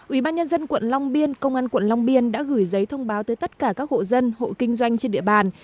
ubnd tp đã gửi giấy thông báo tới tất cả các hộ dân hộ kinh doanh trên địa bàn